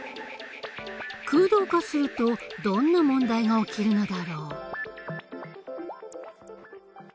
空洞化するとどんな問題が起きるのだろう？